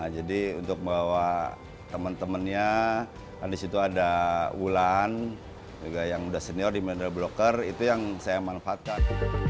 jadi untuk membawa teman temannya disitu ada ulan juga yang sudah senior di mental blocker itu yang saya manfaatkan